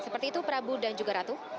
seperti itu prabu dan juga ratu